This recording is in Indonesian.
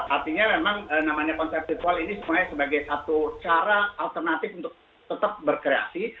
artinya memang namanya konsep virtual ini sebenarnya sebagai satu cara alternatif untuk tetap berkreasi